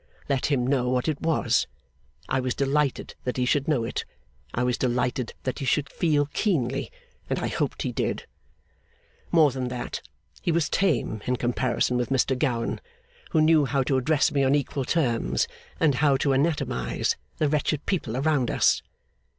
Let him know what it was! I was delighted that he should know it; I was delighted that he should feel keenly, and I hoped he did. More than that. He was tame in comparison with Mr Gowan, who knew how to address me on equal terms, and how to anatomise the wretched people around us.